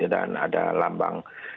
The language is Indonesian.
dan ada lambang